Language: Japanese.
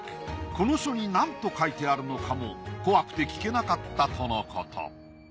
この書になんと書いてあるのかも怖くて聞けなかったとのこと。